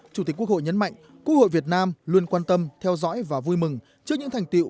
chủ tịch quốc hội nhấn mạnh quốc hội việt nam luôn quan tâm theo dõi và vui mừng trước những thành tiệu